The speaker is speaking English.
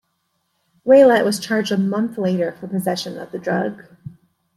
Waylett was charged a month later for possession of the drug.